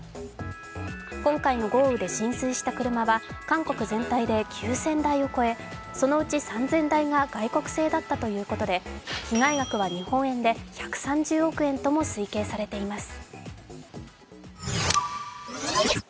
今回の豪雨で浸水した車は韓国全体で９０００台を超えそのうち３０００台が外国製だったということで被害額は日本円で１３０億円とも推計されています。